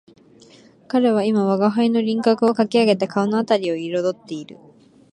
彼は今吾輩の輪廓をかき上げて顔のあたりを色彩っている